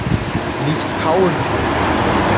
Nicht hauen!